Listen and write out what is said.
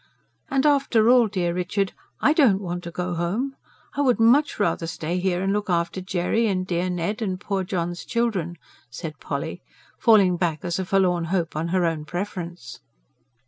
And after all, dear Richard, I don't want to go home. I would much rather stay here and look after Jerry, and dear Ned, and poor John's children," said Polly, falling back as a forlorn hope on her own preference.